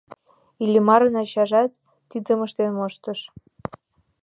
Иллимарын ачажат тидым ыштен моштыш.